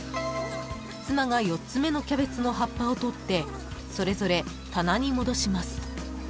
［妻が４つ目のキャベツの葉っぱを取ってそれぞれ棚に戻します］